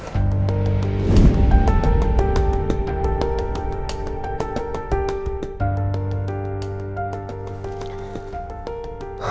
tidak ada yang bisa diberikan kekuatan